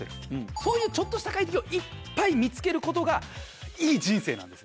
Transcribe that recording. そういうちょっとした快適をいっぱい見つけることがいい人生なんです。